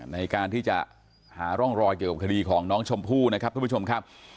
ในการที่จะหาร่องรอยเกี่ยวกับคดีของน้องชมพู่นะครับทุกผู้ชมครับ